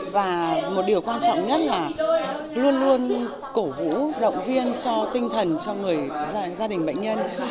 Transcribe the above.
và một điều quan trọng nhất là luôn luôn cổ vũ động viên cho tinh thần cho gia đình bệnh nhân